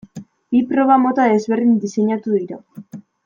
Bi proba mota desberdin diseinatu dira.